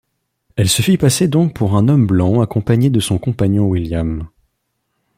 Elle se fit passer donc pour un homme blanc accompagné de son compagnon William.